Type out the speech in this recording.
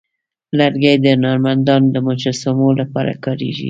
لرګی د هنرمندانو د مجسمو لپاره کارېږي.